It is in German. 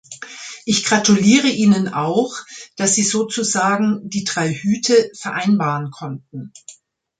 Ich gratuliere Ihnen auch, dass Sie sozusagen die drei Hüte vereinbaren konnten!